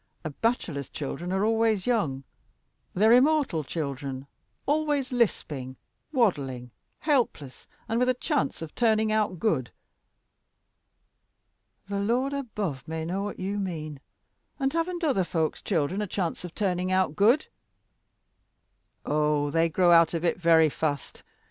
A bachelor's children are always young: they're immortal children always lisping, waddling, helpless, and with a chance of turning out good." "The Lord above may know what you mean! And haven't other folks's children a chance of turning out good?" "Oh, they grow out of it very fast.